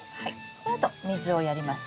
このあと水をやります。